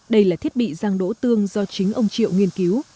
đây là thiết bị rang đỗ tương do chính ông triệu nghiên cứu